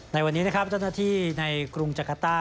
ในวันนี้นะครับเจ้าหน้าที่ในกรุงจักรต้า